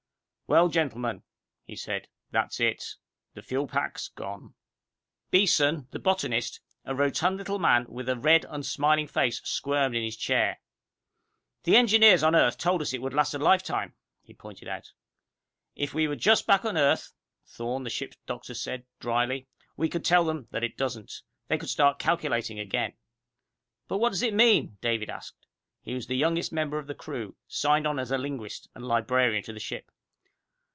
"Well, gentlemen," he said, "that's it. The fuel pack's gone!" Beeson, the botanist, a rotund little man with a red, unsmiling face, squirmed in his chair. "The engineers on Earth told us it would last a lifetime," he pointed out. "If we were just back on Earth," Thorne, the ship's doctor, said drily, "we could tell them that it doesn't. They could start calculating again." "But what does it mean?" David asked. He was the youngest member of the crew, signed on as linguist, and librarian to the ship.